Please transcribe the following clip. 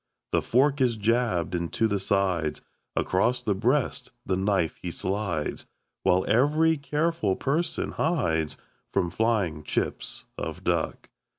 The fork is jabbed into the sides Across the breast the knife he slides While every careful person hides From flying chips of duck.